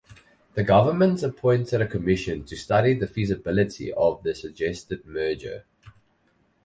The government appointed a commission to study the feasibility of the suggested merger.